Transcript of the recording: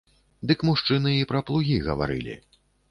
Дык мужчыны і пра плугі гаварылі.